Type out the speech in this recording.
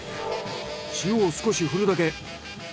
塩を少し振るだけ。